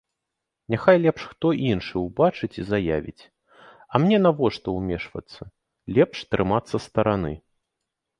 Няхай лепш хто іншы ўбачыць і заявіць, а мне навошта ўмешвацца, лепш трымацца стараны.